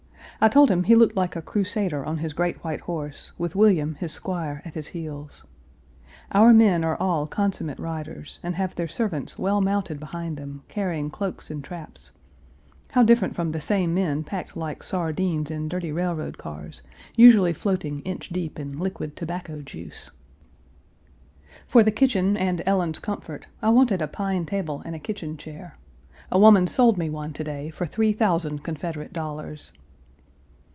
I told him he looked like a Crusader on his great white horse, with William, his squire, at his heels. Our men are all consummate riders, and have their servants well mounted behind them, carrying cloaks and traps how different from the same men packed like sardines in dirty railroad cars, usually floating inch deep in liquid tobacco juice. Page 376 For the kitchen and Ellen's comfort I wanted a pine table and a kitchen chair. A woman sold me one to day for three thousand Confederate dollars.